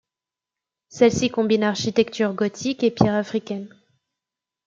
Celle-ci combine architecture gothique et pierre africaine.